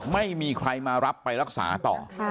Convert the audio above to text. ไม่มีใครมารับไปรักษาต่อ